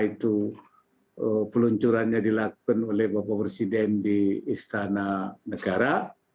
itu peluncurannya dilakukan oleh bapak presiden di istana negara